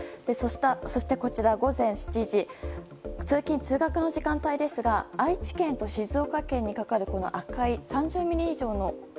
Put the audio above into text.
そして、午前７時通勤・通学の時間帯ですが愛知県と静岡県にかかる、赤い３０ミリ以上の雨。